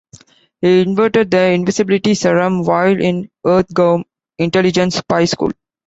He invented the invisibility serum while in Earthgov Intelligence's spy school.